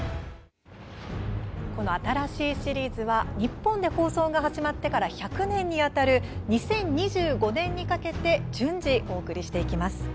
この新しいシリーズは日本で放送が始まってから１００年にあたる２０２５年にかけて順次お送りしていきます。